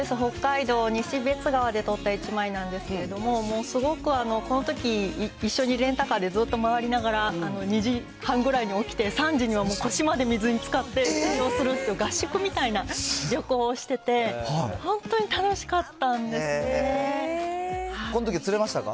そうです、北海道にしべつ川で撮った１枚なんですけど、もう、すごくこのとき一緒にレンタカーでずっと周りながら、２時半ぐらいに起きて、３時にはもう腰まで水につかって移動するっていう合宿みたいな旅行をしてて、本当に楽しかったんこのとき、釣れましたか？